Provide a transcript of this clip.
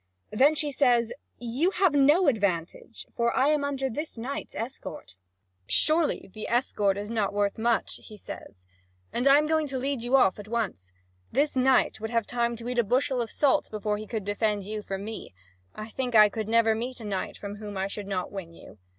Then she says: "You have no advantage; for I am under this knight's escort." "Surely, the escort is not worth much," he says, "and I am going to lead you off at once. This knight would have time to eat a bushel of salt before he could defend you from me; I think I could never meet a knight from whom I should not win you.